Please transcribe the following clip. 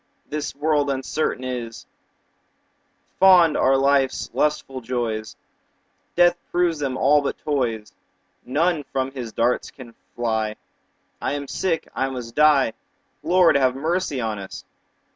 This world uncertain is: Fond are life's lustful joys, Death proves them all but toys. None from his darts can fly; 5 I am sick, I must die— Lord, have mercy on us!